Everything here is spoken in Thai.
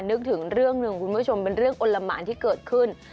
นึกถึงเรื่องละหมานที่เกิดขึ้น